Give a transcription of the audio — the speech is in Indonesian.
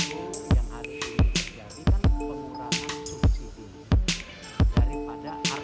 bpm ini yang ada di sini menjadikan pengurangan subsidi ini daripada harganya tadi bukan masalah